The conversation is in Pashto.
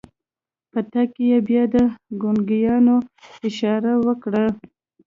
په تګ کې يې بيا د ګونګيانو اشارې وکړې.